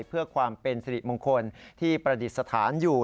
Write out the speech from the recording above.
เพื่อความเป็นสิริมงคลที่ประดิษฐานอยู่